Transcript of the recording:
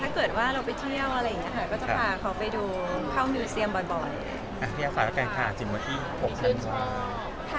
ถ้าเกิดว่าเราไปเที่ยวอะไรอย่างนี้ค่ะ